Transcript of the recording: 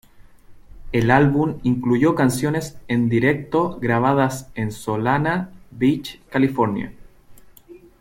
El álbum incluyó canciones en directo grabadas en Solana Beach, California.